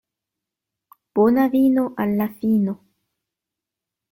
Bona vino al la fino.